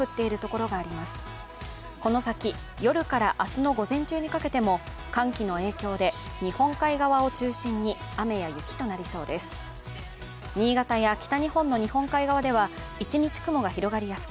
この先、夜から明日の午前中にかけても寒気の影響で日本海側を中心に雨と雪となりそうです。